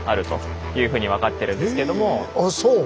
ああそう。